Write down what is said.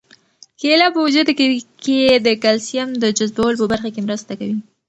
کیله په وجود کې د کلسیم د جذبولو په برخه کې مرسته کوي.